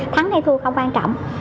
thắng hay thua không quan trọng